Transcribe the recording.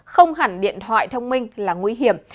không hẳn điện thoại thông minh là nguy hiểm